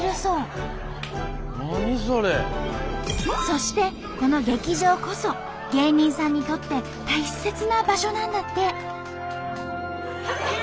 そしてこの劇場こそ芸人さんにとって大切な場所なんだって。